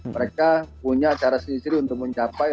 mereka punya cara sendiri untuk mencapai